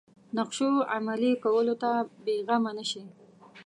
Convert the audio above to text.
نقشو عملي کولو ته بېغمه نه شي.